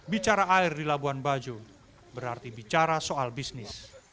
bicara air di labuan bajo berarti bicara soal bisnis